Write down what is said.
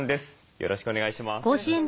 よろしくお願いします。